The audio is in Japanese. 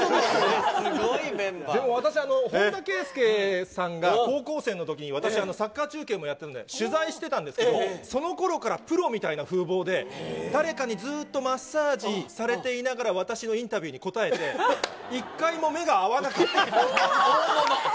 でも私、本田圭佑さんが高校生のときに、私、サッカー中継もやってるんで、取材してたんですけども、そのころからプロみたいな風ぼうで、誰かにずっとマッサージされていながら私のインタビューに答えて、一回も目が合わなかった。